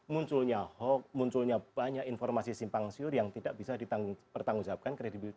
munculnya hoax munculnya banyak informasi simpang siur yang tidak bisa dipertanggungjawabkan kredibilitas